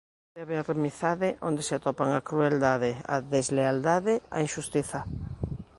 Non pode haber amizade onde se atopan a crueldade, a deslealdade, a inxustiza.